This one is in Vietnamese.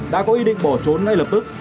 đã có ý định bỏ trốn ngay lập tức